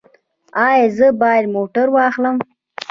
ایا زه باید موټر واخلم؟